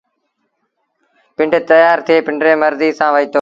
پنڊ تيآر ٿئي پنڊريٚ مرزيٚ سآݩٚ وهيٚتو